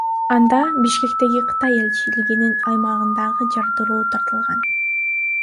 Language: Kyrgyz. Анда Бишкектеги Кытай элчилигинин аймагындагы жардыруу тартылган.